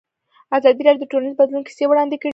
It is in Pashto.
ازادي راډیو د ټولنیز بدلون کیسې وړاندې کړي.